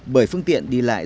bởi phương tiện đi lại